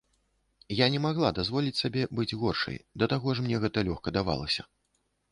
Я не магла дазволіць сабе быць горшай, да таго ж мне гэта лёгка давалася.